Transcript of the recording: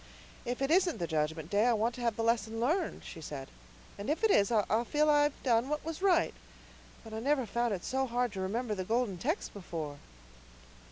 "If it isn't the Judgment Day, I want to have the lesson learned," she said, "and if it is I'll feel I've done what was right. But I never found it so hard to remember the Golden Text before."